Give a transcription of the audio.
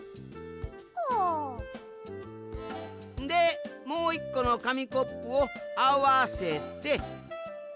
でもう１このかみコップをあわせて。